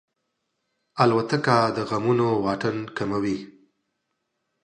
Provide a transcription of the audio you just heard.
الوتکه د غمونو واټن کموي.